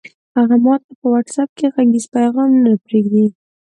هغه ماته په وټس اپ کې غږیز پیغام نه پرېږدي!